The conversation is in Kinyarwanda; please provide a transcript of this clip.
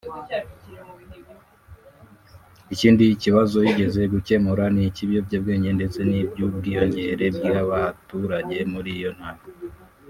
Ikindi kibazo yizeje gukemura ni icy’ibiyobyabwenge ndetse n’icy’ubwiyongere bw’abaturage muri iyo ntara